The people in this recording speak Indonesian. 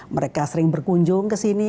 mereka sering berkunjung ke sini